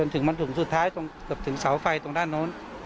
ถึงสุดท้ายถึงเสาไฟตรงด้านโน้น